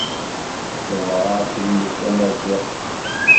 Tebɣa ad telmed tamaziɣt.